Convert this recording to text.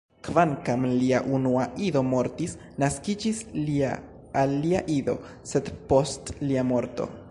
Kvankam lia unua ido mortis, naskiĝis lia alia ido, sed post lia morto.